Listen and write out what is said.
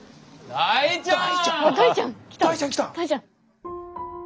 大ちゃん！